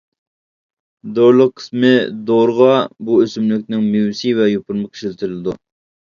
دورىلىق قىسمى دورىغا بۇ ئۆسۈملۈكنىڭ مېۋىسى ۋە يوپۇرمىقى ئىشلىتىلىدۇ.